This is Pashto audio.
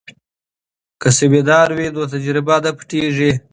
که سمینار وي نو تجربه نه پټیږي.